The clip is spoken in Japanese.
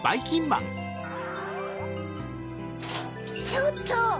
ちょっと！